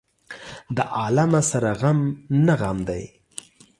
د عالمه سره غم نه غم دى.